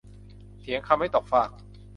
เถียงคำไม่ตกฟาก